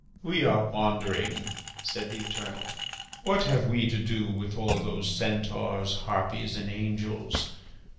"We are wandering," said the Eternal. "What have we to do with all those centaurs, harpies, and angels?